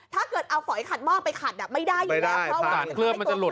ถ้าเกิดเอาฝอยขัดหม้อไปขัดไม่ได้อยู่แล้วเพราะว่าตัวเคลือบลุด